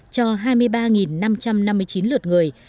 cho hai mươi ba năm trăm năm mươi chín lượt người